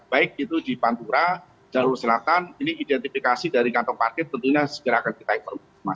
baik itu di pantura jalur selatan ini identifikasi dari kantong parkir tentunya segera akan kita informasikan